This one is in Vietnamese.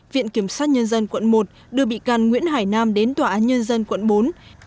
viện kiểm sát nhân dân quận một đưa bị can nguyễn hải nam đến tòa án nhân dân quận bốn